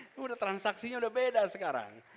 itu transaksinya sudah beda sekarang